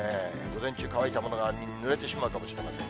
午前中乾いたものがぬれてしまうかもしれません。